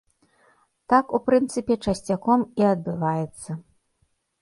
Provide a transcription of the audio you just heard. Так, у прынцыпе, часцяком і адбываецца.